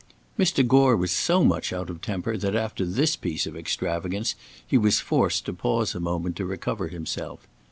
Mr. Gore was so much out of temper that after this piece of extravagance he was forced to pause a moment to recover himself.